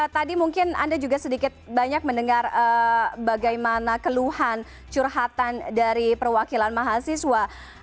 tadi mungkin anda juga sedikit banyak mendengar bagaimana keluhan curhatan dari perwakilan mahasiswa